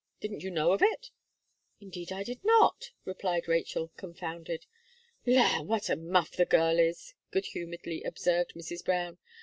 Didn't you know of it?" "Indeed, I did not," replied Rachel, confounded. "La! what a muff the girl is!" good humouredly observed Mrs. Brown.